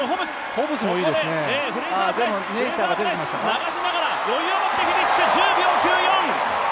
流しながら余裕をもってフィニッシュ、１０秒９４。